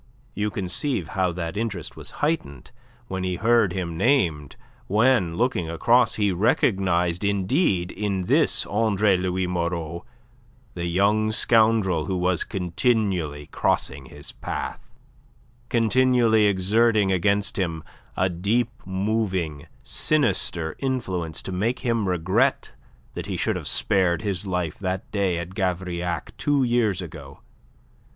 You conceive how that interest was heightened when he heard him named, when, looking across, he recognized indeed in this Andre Louis Moreau the young scoundrel who was continually crossing his path, continually exerting against him a deep moving, sinister influence to make him regret that he should have spared his life that day at Gavrillac two years ago.